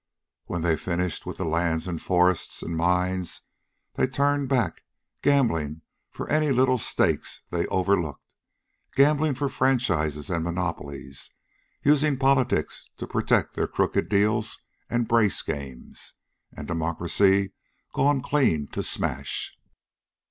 When they'd finished with the lands and forests and mines, they turned back, gambling for any little stakes they'd overlooked, gambling for franchises and monopolies, using politics to protect their crooked deals and brace games. And democracy gone clean to smash.